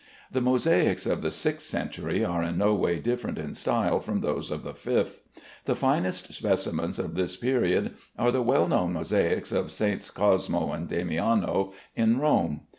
The mosaics of the sixth century are in no way different in style from those of the fifth. The finest specimens of this period are the well known mosaics of SS. Cosmo and Damiano in Rome.